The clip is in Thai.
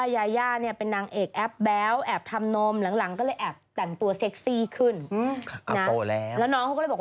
ถ้าจะไปซ้อมเต้นใหม่ซ้อมที่ป๊าปะแดงก็ได้